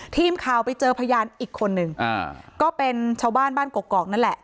ทีมข่าวไปเจอพยานอีกคนนึงอ่าก็เป็นชาวบ้านบ้านกกอกนั่นแหละ